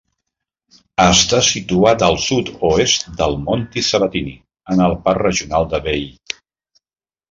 Està situat al sud-oest del Monti Sabatini en el parc regional de Veii.